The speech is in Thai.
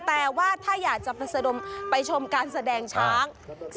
แต่ว่าถ้าอยากจะไปชมการแสดงช้าง